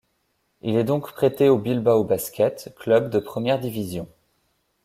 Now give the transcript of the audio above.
Il est donc prêté au Bilbao Basket, club de première division.